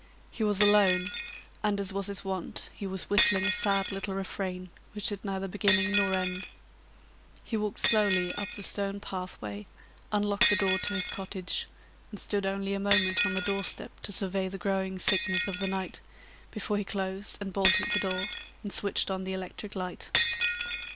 He was alone, and, as was his wont, he was whistling a sad little refrain which had neither beginning nor end. He walked slowly up the stone pathway, unlocked the door of his cottage, and stood only a moment on the doorstep to survey the growing thickness of the night, before he closed and bolted the door and switched on the electric light.